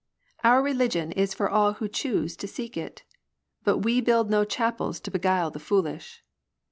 197 Our religion is for all who choose to seek it ; But we build no chapels to beguile the foolish.